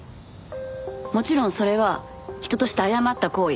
もちろんそれは人として誤った行為。